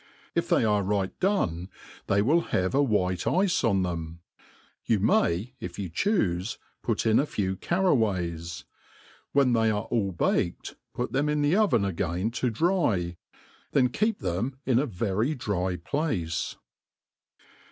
If they are right done, they will have a white ice on them. You may, if you chufe, put in a few carraways ; when they are all baked, put them in the oveit again to dry, then keep them in a very dry place.